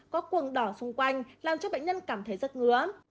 có cuồng đỏ xung quanh làm cho bệnh nhân cảm thấy rất ngứa